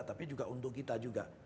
tapi juga untuk kita juga